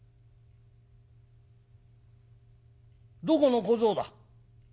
「どこの小僧だ？